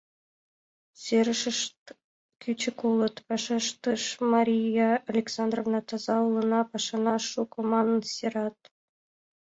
— Серышышт кӱчык улыт, — вашештыш Мария Александровна, — таза улына, пашана шуко манын серат.